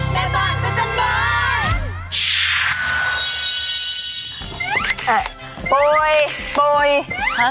แม่บ้านผสัยจันทร์บ้าน